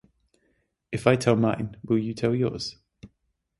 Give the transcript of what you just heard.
If I tell mine, will you tell yours?